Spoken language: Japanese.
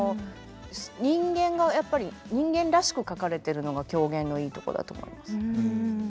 人間がやっぱり人間らしく描かれてるのが狂言のいいとこだと思います。